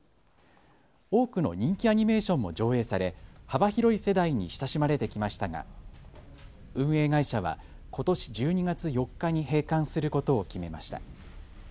多くの人気アニメーションも上映され幅広い世代に親しまれてきましたが運営会社はことし１２月４日に閉館することを決めました。